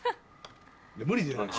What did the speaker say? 無理。